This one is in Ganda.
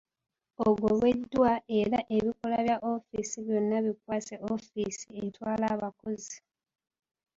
Ogobeddwa era ebikola bya ofiisi byonna bikwase ofiisi etwala abakozi.